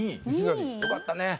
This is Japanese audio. よかったね。